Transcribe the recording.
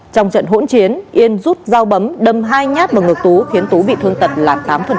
trong trận hỗn chiến yên rút dao bấm đâm hai nhát vào ngực tú khiến tú bị thương tật là tám